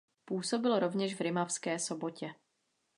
Působil rovněž v Rimavské Sobotě.